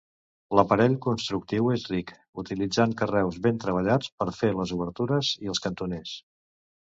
L'aparell constructiu és ric, utilitzant carreus ben treballats per fer les obertures i els cantoners.